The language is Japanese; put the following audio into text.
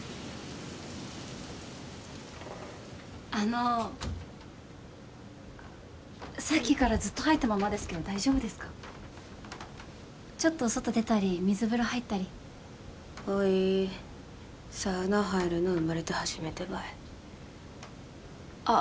あのさっきからずっと入ったままですけど大丈夫ですかちょっと外出たり水風呂入ったりおいサウナ入るの生まれて初めてばいあっ